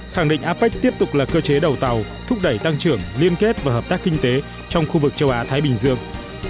khẳng định apec tiếp tục là cơ chế đầu tàu thúc đẩy tăng trưởng liên kết và hợp tác kinh tế trong khu vực châu á thái bình dương